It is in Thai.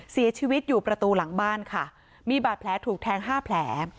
เสียชีวิตอยู่ประตูหลังบ้านค่ะมีบาดแผลถูกแทงห้าแผล